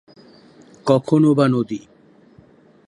কখনও বা নদী।